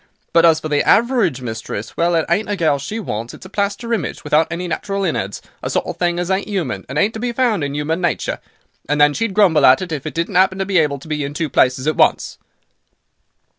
But, as for the average mistress—well it ain't a gal she wants, it's a plaster image, without any natural innards—a sort of thing as ain't 'uman, and ain't to be found in 'uman nature. And then she'd grumble at it, if it didn't 'appen to be able to be in two places at once."